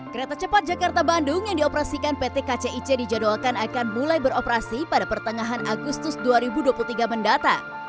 kereta cepat jakarta bandung yang dioperasikan pt kcic dijadwalkan akan mulai beroperasi pada pertengahan agustus dua ribu dua puluh tiga mendata